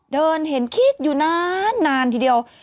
เดินเห็นคิดอยู่นานทีเดียว